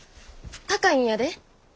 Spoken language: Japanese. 高いんやで。